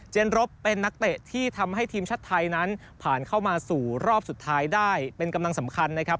รบเป็นนักเตะที่ทำให้ทีมชาติไทยนั้นผ่านเข้ามาสู่รอบสุดท้ายได้เป็นกำลังสำคัญนะครับ